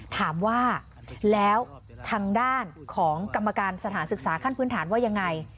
ถามว่าแล้วทางด้านของกรรมการสถานศึกษาขั้นพื้นฐานว่ายังไง